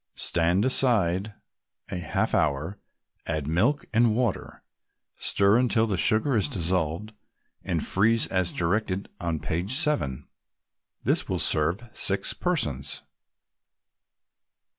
Stand aside a half hour, add milk and water, stir until the sugar is dissolved, and freeze as directed on page 7. This will serve six persons.